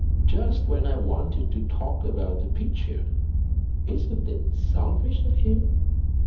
"Just when I wanted to talk about the picture. Isn't it selfish of him?"